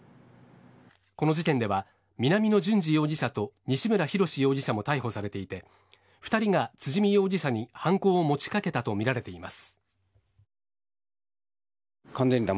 この事件では、南野潤二容疑者と西村浩容疑者も逮捕されていて２人が辻見容疑者に、犯行を持ちかけたとみられています。